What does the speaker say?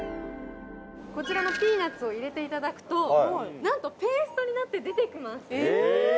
こちらのピーナッツを入れていただくと何とペーストになって出てきますえっ！？